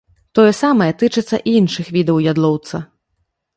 Тое самае тычыцца і іншых відаў ядлоўца.